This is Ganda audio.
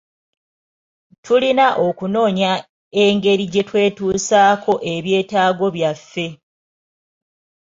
Tulina okunoonya engeri gye twetuusaako ebyetaago byaffe.